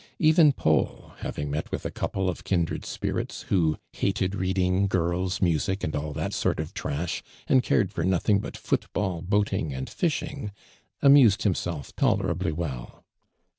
Even Paul, liaving met with a couple of kindred spirits wlio " hated reading, girls, music, and all that sort ol' trash, and cai'ed for nothing but foot ball, boating and fish ing," amused himself tohirably well.